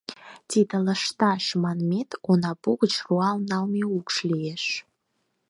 Тиде «лышташ» манмет онапу гыч руал налме укш лиеш.